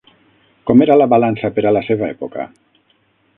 Com era la balança per a la seva època?